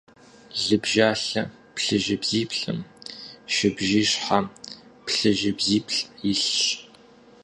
Лыбжьалъэ плъыжьыбзиплӏым шыбжиищхьэ плъыжьыбзиплӏ илъщ.